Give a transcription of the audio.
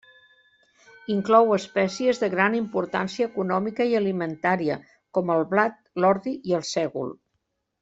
Inclou espècies de gran importància econòmica i alimentària com el blat, l'ordi i el sègol.